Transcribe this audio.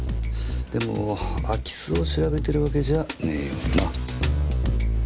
でも空き巣を調べてるわけじゃねえよな？